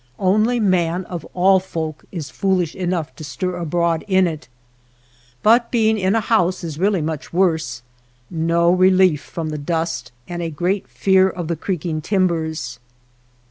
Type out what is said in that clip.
Only man of all folk is fool ish enough to stir abroad in it. But being in a house is really much worse ; no relief from, the dust, and a great fear of the creaking timbers.